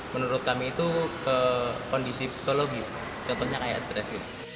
menurut kami itu kondisi psikologis contohnya kayak stres